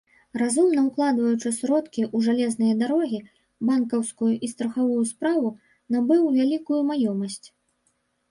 Разумна укладваючы сродкі ў жалезныя дарогі, банкаўскую і страхавую справу, набыў вялікую маёмасць.